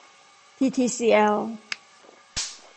ทีทีซีแอล